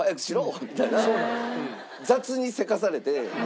みたいな雑にせかされて。